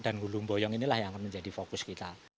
dan hulu boyong inilah yang menjadi fokus kita